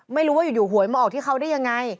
ไม่รู้ว่าอยู่หวยมาออกที่เขาได้ยังไง